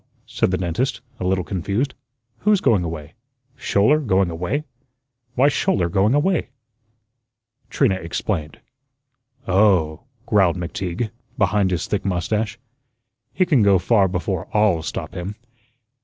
said the dentist, a little confused. "Who's going away? Schouler going away? Why's Schouler going away?" Trina explained. "Oh!" growled McTeague, behind his thick mustache, "he can go far before I'LL stop him."